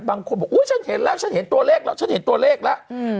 บางคนบอกอุ๊ยฉันเห็นแล้วฉันเห็นตัวเลขแล้วฉันเห็นตัวเลขแล้ว